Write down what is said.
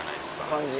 感じ？